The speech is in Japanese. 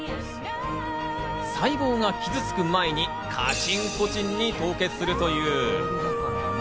細胞が傷つく前にかちんこちんに凍結するという。